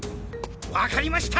わかりました！